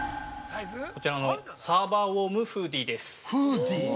◆こちらのサーバーウォームフーディです。